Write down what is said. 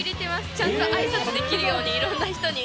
ちゃんとあいさつできるように、いろんな人に。